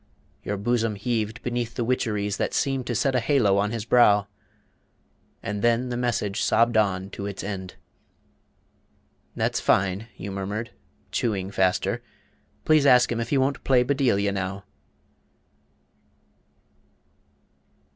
Your bosom heaved beneath the witcheries That seemed to set a halo on his brow, And then the message sobbed on to its end. "That's fine," you murmured, chewing faster; "please Ask him if he won't play 'Bedelia' now."